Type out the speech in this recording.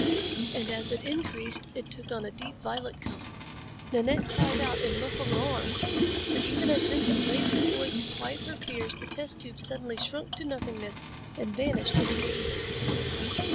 And as it increased it took on a deep violet color. Nanette cried out in muffled alarm. But even as Vincent raised his voice to quiet her fears the test tube suddenly shrunk to nothingness and vanished into the ether.